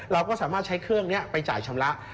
เราก็สามารถใช้เครื่องนี้ไปจ่ายชำระ